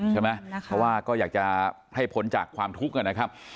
เพราะว่าก็อยากจะให้ผลจากความทุกข์กันนะครับ